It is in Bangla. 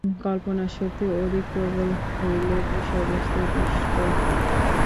কল্পনাশক্তি অধিক প্রবল হইলে বিষয়বস্তু দৃষ্ট হয়।